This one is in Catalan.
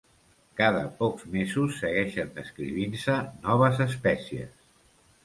Cada pocs mesos segueixen descrivint-se noves espècies.